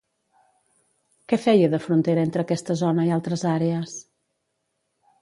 Què feia de frontera entre aquesta zona i altres àrees?